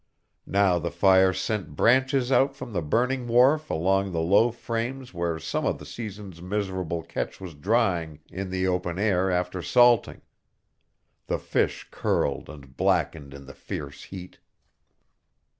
Now the fire sent branches out from the burning wharf along the low frames where some of the season's miserable catch was drying in the open air after salting. The fish curled and blackened in the fierce heat.